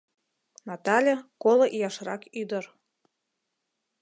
Натале — коло ияшрак ӱдыр.